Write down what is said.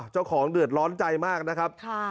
เจ้าของเดือดร้อนใจมากนะครับ